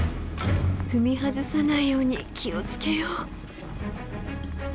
踏み外さないように気を付けよう。